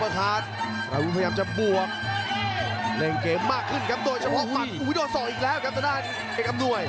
โอ้โหเลือดมาแล้วครับพี่โอนครับ